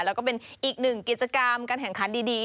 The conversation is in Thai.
แล้วก็เป็นอีกหนึ่งกิจกรรมการแข่งขันดี